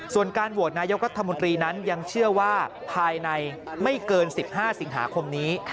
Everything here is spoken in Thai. ส่วนการโหวตนายกรัฐมนตรีนั้นยังเชื่อว่าภายในไม่เกิน๑๕สิงหาคมนี้